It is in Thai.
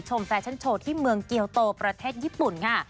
แฟชั่นโชว์ที่เมืองเกียวโตประเทศญี่ปุ่นค่ะ